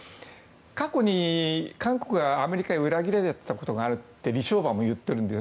過去に韓国がアメリカに裏切られたことがあると李承晩も言っているんです。